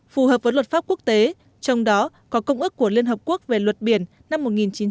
phù hợp với luật pháp quốc tế trong đó có công ước của liên hợp quốc về luật biển năm một nghìn chín trăm tám mươi hai